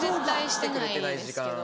来てくれてない時間。